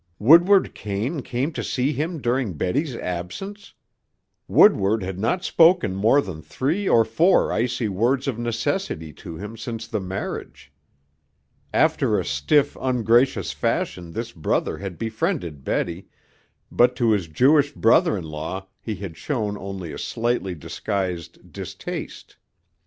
Woodward Kane come to see him during Betty's absence! Woodward had not spoken more than three or four icy words of necessity to him since the marriage. After a stiff, ungracious fashion this brother had befriended Betty, but to his Jewish brother in law he had shown only a slightly disguised distaste.